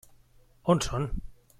On són?